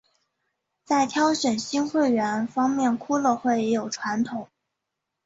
在挑选新会员方面骷髅会也有传统。